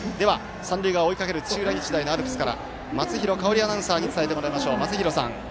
三塁側、追いかける土浦日大のアルプスから松廣香織アナウンサーに伝えてもらいます。